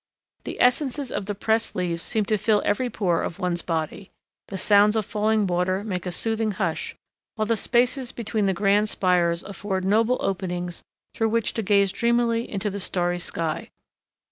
The essences of the pressed leaves seem to fill every pore of one's body, the sounds of falling water make a soothing hush, while the spaces between the grand spires afford noble openings through which to gaze dreamily into the starry sky.